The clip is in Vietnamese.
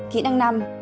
kỹ năng năm